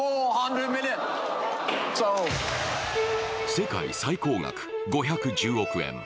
世界最高額５１０億円。